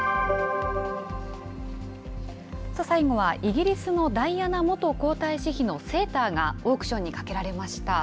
最後は、イギリスのダイアナ元皇太子妃のセーターがオークションにかけられました。